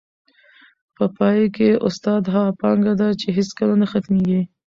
په پای کي، استاد هغه پانګه ده چي هیڅکله نه ختمېږي.